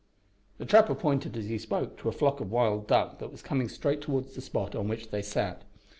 The trapper pointed as he spoke to a flock of wild duck that was coming straight towards the spot on which they sat.